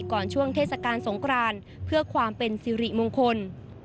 ช่วงเทศกาลสงครานเพื่อความเป็นสิริมงคล